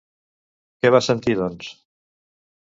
Què va sentir, doncs?